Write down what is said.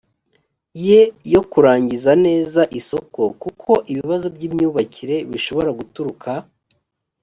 ye yo kurangiza neza isoko kuko ibibazo by imyubakire bishobora guturuka